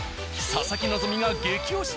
佐々木希が激推し。